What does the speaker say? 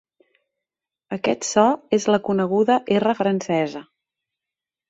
Aquest so és la coneguda erra francesa.